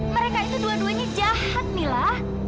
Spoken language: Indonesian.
mereka itu dua duanya jahat mila